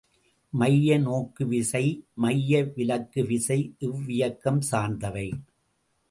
மைய நோக்குவிசை, மைய விலக்குவிசை இவ்வியக்கம் சார்ந்தவை.